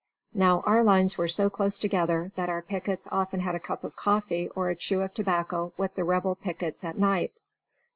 Now our lines were so close together that our pickets often had a cup of coffee or a chew of tobacco with the Rebel pickets at night.